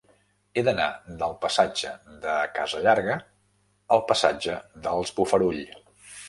He d'anar del passatge de Casa Llarga al passatge dels Bofarull.